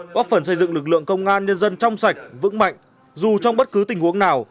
góp phần xây dựng lực lượng công an nhân dân trong sạch vững mạnh dù trong bất cứ tình huống nào